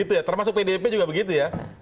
termasuk pdip juga begitu ya